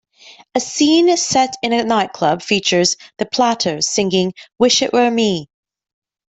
A scene set in a nightclub features The Platters singing "Wish It Were Me".